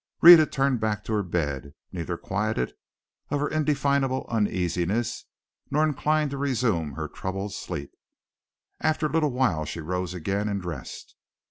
Rhetta turned back to her bed, neither quieted of her indefinable uneasiness nor inclined to resume her troubled sleep. After a little while she rose again, and dressed.